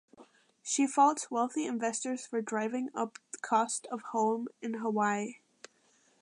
She faults wealthy investors for driving up cost of home in Hawaii.